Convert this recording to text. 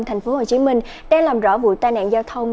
thành phố hồ chí minh đã làm rõ vụ tai nạn giao thông